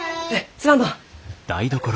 すまんのう。